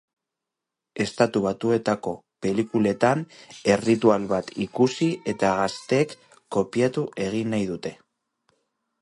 Estatu Batuetako pelikuletan erritual bat ikusi eta gazteek kopiatu egin nahi dute.